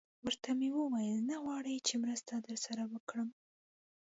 ورته ومې ویل: نه غواړئ چې مرسته در سره وکړم؟